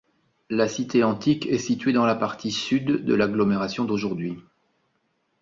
La cité antique est située dans la partie sud de l'agglomération d'aujourd'hui.